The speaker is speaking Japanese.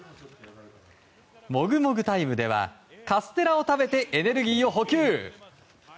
もぐもぐタイムではカステラを食べてエネルギーを補給。